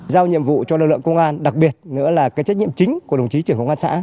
giao nhiệm vụ cho lực lượng công an đặc biệt nữa là cái trách nhiệm chính của đồng chí trưởng công an xã